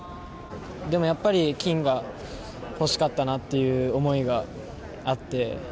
でもやっぱり金が欲しかったなっていう思いがあって。